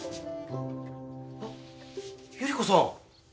あっゆり子さん！